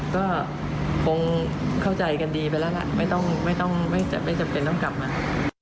ก็คงเข้าใจกันดีไปแล้วล่ะไม่ต้องไม่จำเป็นต้องกลับมา